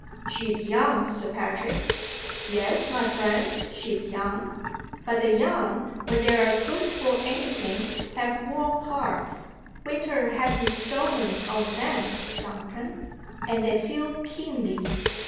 "She's young, Sir Patrick." "Yes, my friend, she's young; but the young (when they are good for any thing) have warm hearts. Winter hasn't stolen on them, Duncan! And they feel keenly."